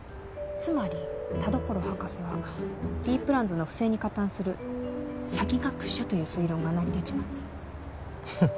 つまり田所博士はＤプランズの不正に加担する詐欺学者という推論が成り立ちます